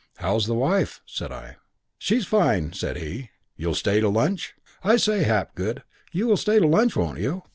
"'How's the wife?' said I. "'She's fine,' said he. 'You'll stay to lunch? I say, Hapgood, you will stay to lunch, won't you?'